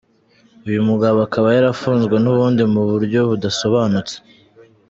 Uyu mugabo akaba yarafunzwe n’ubundi mu buryo budasobanutse.